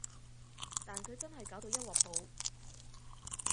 但佢真係搞到一鑊泡